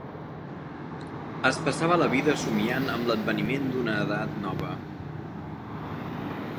Es passava la vida somniant amb l'adveniment d'una edat nova